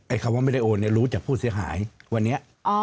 คำว่าไม่ได้โอนเนี่ยรู้จากผู้เสียหายวันนี้